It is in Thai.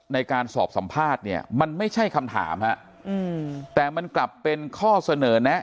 ในการสอบสัมภาษณ์เนี่ยมันไม่ใช่คำถามฮะแต่มันกลับเป็นข้อเสนอแนะ